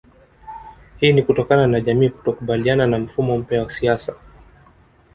Hii ni kutokana na jamii kutokubaliana na mfumo mpya wa siasa